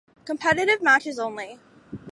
Competitive matches only.